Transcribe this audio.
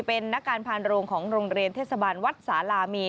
เป็นนักการพานโรงของโรงเรียนเทศบาลวัดสาลามี